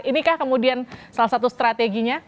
inikah kemudian salah satu strateginya